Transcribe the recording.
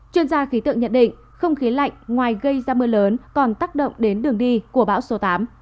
chuyên gia khí tượng nhận định không khí lạnh ngoài gây ra mưa lớn còn tác động đến đường đi của bão số tám